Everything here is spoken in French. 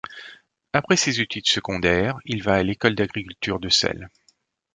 Après ses études secondaires, il va à l'école d'agriculture de Celle.